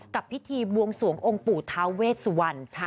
กับพิธีบวงสวงองค์ปู่ทาเวชสุวรรณ